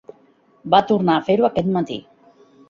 Va tornar a fer-ho aquest matí .